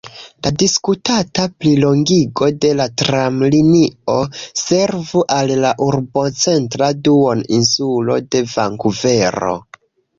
La diskutata plilongigo de la tramlinio servu al la urbocentra duon-insulo de Vankuvero.